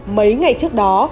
mấy ngày trước đó